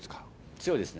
強いですね。